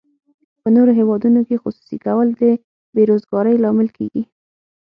په نورو هیوادونو کې خصوصي کول د بې روزګارۍ لامل کیږي.